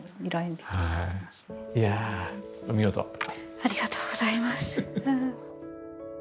ありがとうございます。